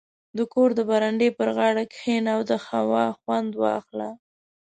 • د کور د برنډې پر غاړه کښېنه او د هوا خوند واخله.